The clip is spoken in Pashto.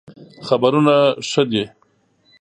خبرونه ښه دئ